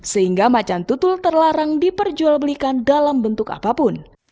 sehingga macan tutul terlarang diperjualbelikan dalam bentuk apapun